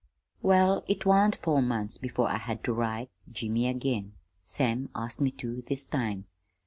"Well, it wan't four months before I had ter write Jimmy again. Sam asked me too, this time.